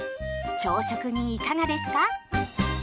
朝食にいかがですか？